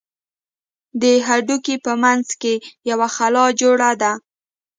د هډوکي په منځ کښې يوه خلا جوړه ده.